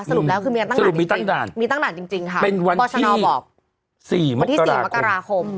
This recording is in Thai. สรุปแล้วคือมีการตั้งด่านจริงค่ะบอชนบอกที่๔มกราคม